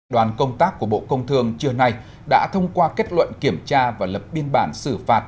đoàn công tác của bộ công thương trưa nay đã thông qua kết luận kiểm tra và lập biên bản xử phạt